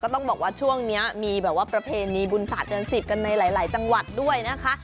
ต้องบอกว่าช่วงนี้มีแบบว่าประเพณีบุญศาสตร์เดือน๑๐กันในหลายจังหวัดด้วยนะคะ